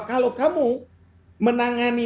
kalau kamu menangani